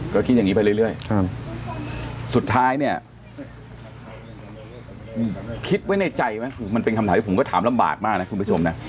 ก็คิดอย่างนี้ไปเรื่อยสุดท้ายเนี่ยคิดไว้ในใจไหมมันเป็นคำถามที่ผมก็ถามลำบากมากนะคุณผู้ชมนะ